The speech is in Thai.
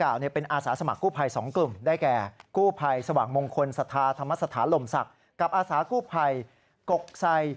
คนศาธาธรรมศาสตร์ลมศักดิ์กับอาสากู้ภัยกกไซค์